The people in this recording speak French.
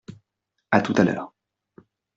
A tout à l'heure.